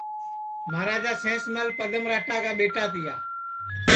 مہاراجا سینس مل پدم راٹا کا ٻیٹا تیا